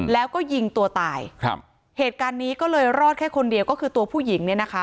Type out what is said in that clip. แล้วก็ยิงตัวตายครับเหตุการณ์นี้ก็เลยรอดแค่คนเดียวก็คือตัวผู้หญิงเนี่ยนะคะ